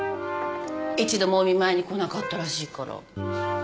一度もお見舞いに来なかったらしいから。